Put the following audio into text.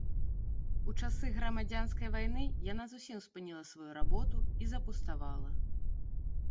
У часы грамадзянскай вайны яна зусім спыніла сваю работу і запуставала.